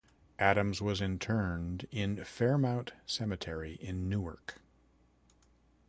Adams was interred in Fairmount Cemetery in Newark.